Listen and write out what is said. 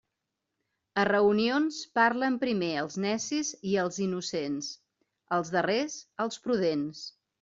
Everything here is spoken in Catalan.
A reunions parlen primer els necis i els innocents; els darrers, els prudents.